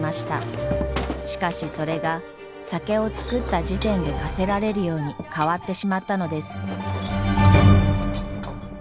しかしそれが酒を造った時点で課せられるように変わってしまったのです。